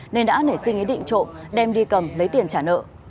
nên đã nể suy nghĩ định trộm đem đi cầm lấy tiền trả nợ